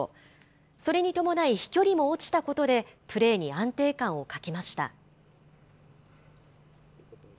それに伴い飛距離も落ちたことで、プレーに安定感を欠きました。